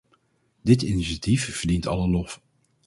Dit initiatief verdient alle lof.